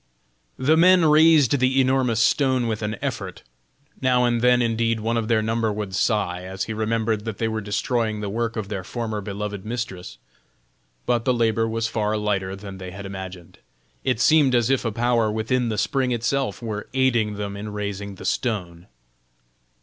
The men raised the enormous stone with an effort; now and then indeed one of their number would sigh, as he remembered that they were destroying the work of their former beloved mistress. But the labor was far lighter than they had imagined. It seemed as if a power within the spring itself were aiding them in raising the stone.